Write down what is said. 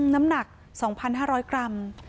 น้ำหนัก๒๕๐๐กรัม